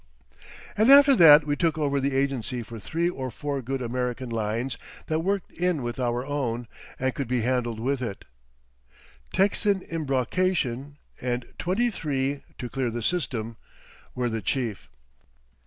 And after that we took over the agency for three or four good American lines that worked in with our own, and could be handled with it; Texan Embrocation, and "23—to clear the system" were the chief....